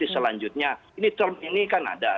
selanjutnya ini term ini kan ada